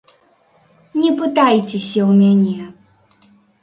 Не пытайцеся ў мяне.